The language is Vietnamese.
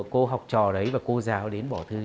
cô học trò đấy và cô giáo đến bỏ thư giãn